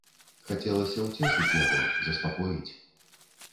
Хацелася ўцешыць яго, заспакоіць.